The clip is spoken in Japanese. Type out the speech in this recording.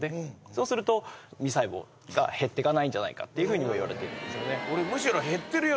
そうすると味細胞が減っていかないんじゃないかっていうふうにもいわれているんですよね